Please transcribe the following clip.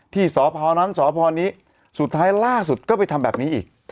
ที่สพนั้นสพนี้สุดท้ายล่าสุดก็ไปทำแบบนี้อีก